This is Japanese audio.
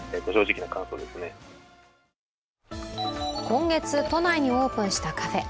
今月都内にオープンしたカフェ。